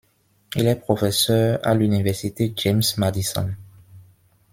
Il est professeur à l'université James Madison.